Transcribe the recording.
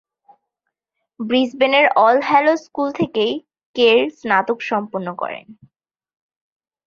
ব্রিসবেনের All Hallows school থেকেই কের স্নাতক সম্পন্ন করেন।